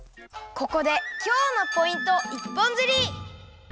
ここで「今日のポイント一本釣り！」。